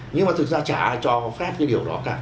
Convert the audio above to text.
nhưng mà thực ra chả ai cho phép cái điều đó cả